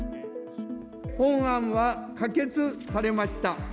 本案は可決されました。